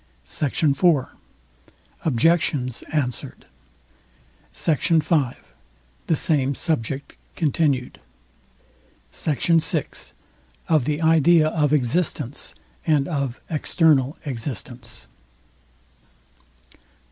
SECT. IV. OBJECTIONS ANSWERED. SECT. V. THE SAME SUBJECT CONTINUED. SECT. VI. OF THE IDEA OF EXISTENCE, AND OF EXTERNAL EXISTENCE.